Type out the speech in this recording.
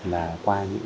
là qua những